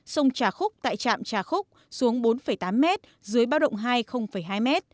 sông trà khúc tại trạm trà khúc xuống bốn tám m dưới báo động hai hai m